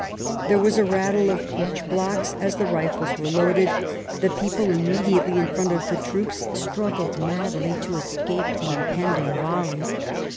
There was a rattle of breech blocks as the rifles were loaded. The people immediately in front of the troops struggled madly to escape the impending volley.